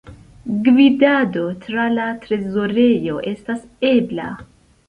Gvidado tra la trezorejo estas ebla.